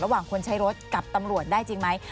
ระหว่างคนใช้รถกับตำรวจได้จริงไหม